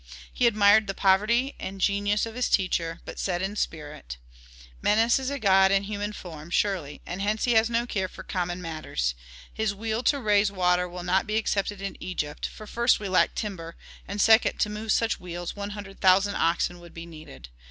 He admired the poverty and the genius of his teacher, but said in spirit, "Menes is a god in human form, surely, and hence he has no care for common matters. His wheel to raise water will not be accepted in Egypt, for first we lack timber, and second to move such wheels one hundred thousand oxen would be needed.